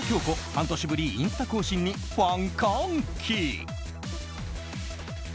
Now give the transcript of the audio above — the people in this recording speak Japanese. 半年ぶりインスタ更新にファン歓喜。